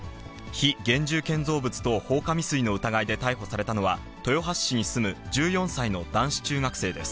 非現住建造物等放火未遂の疑いで逮捕されたのは、豊橋市に住む１４歳の男子中学生です。